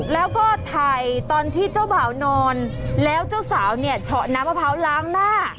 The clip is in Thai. แล้วก็ถ่ายตอนที่เจ้าบ่าวนอนแล้วเจ้าสาวเนี่ยเฉาะน้ำมะพร้าวล้างหน้า